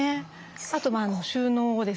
あと収納ですね。